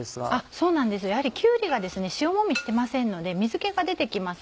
そうなんですやはりきゅうりが塩もみしてませんので水気が出て来ます